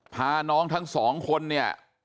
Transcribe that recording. พาน้องทั้งสองคนเนี่ย